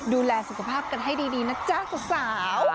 ดูแลสุขภาพกันให้ดีนะจ๊ะสาว